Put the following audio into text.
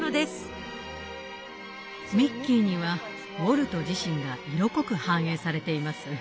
ミッキーにはウォルト自身が色濃く反映されています。